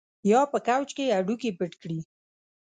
یا په کوچ کې هډوکي پټ کړي